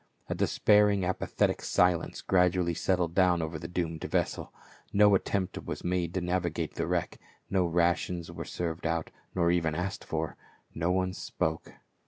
A despairing apathetic silence gradually settled down over the doomed vessel ; no attempt was made to navigate the wreck, no rations were served out, nor even asked for ; no one spoke.